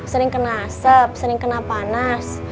sering kena asap sering kena panas